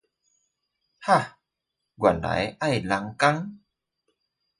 哈！原來要人工！